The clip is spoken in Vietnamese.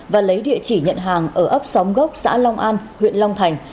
và lấy địa chỉ nhận hàng ở ấp xóm gốc xã long an huyện long thành